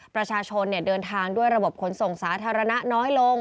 ประชาชนเดินทางด้วยระบบขนส่งสาธารณะน้อยลง